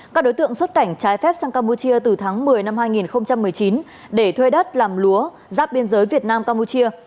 các đối tượng xuất cảnh trái phép sang campuchia từ tháng một mươi năm hai nghìn một mươi chín để thuê đất làm lúa giáp biên giới việt nam campuchia